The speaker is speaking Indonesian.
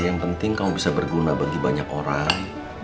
yang penting kamu bisa berguna bagi banyak orang